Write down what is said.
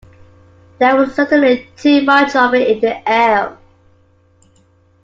There was certainly too much of it in the air.